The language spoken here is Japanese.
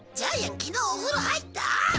昨日お風呂入った？